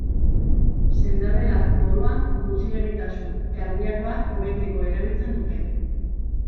Sendabelar moduan gutxiegitasun kardiakoa hobetzeko erabiltzen dute.